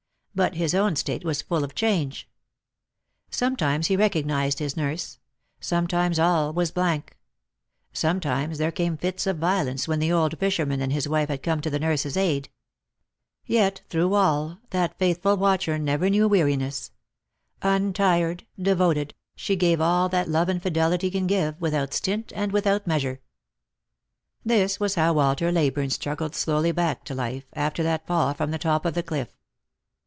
But his own state was full of change. Sometimes he recognized his nurse; sometimes all was blank ; sometimes there came fits of violence, when the old fisherman and his wife had to come to the nurse's aid. Yet, through all, that faithful watcher knew no weariness. Untired, devoted, she gave all that love and fidelity can give, without stint and without measure. This was how Walter Leyburne struggled slowly back to life, after that fall from the top of the cliff.